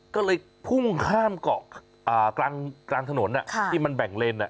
ก็เลยพุ่งข้ามเกาะกลางถนนที่มันแบ่งเลน